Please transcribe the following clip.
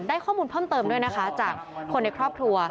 ข้อมูลเพิ่มเติมด้วยนะคะจากคนในครอบครัว